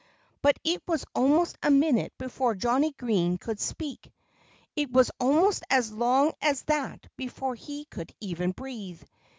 But it was almost a minute before Johnnie Green could speak. It was almost as long as that before he could even breathe.